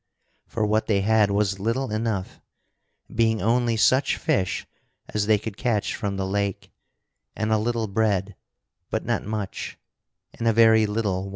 For what they had was little enough, being only such fish as they could catch from the lake, and a little bread but not much and a very little wine.